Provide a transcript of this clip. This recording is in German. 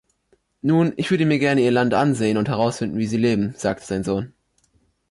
Nun, ich würde mir gerne ihr Land ansehen und herausfinden, wie sie leben, sagte sein Sohn.